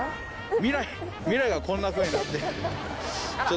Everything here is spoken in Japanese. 未来未来がこんなふうになって。